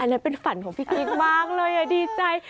แล้วเป็นฝันของพี่กิ๊กมากเลยดีใจ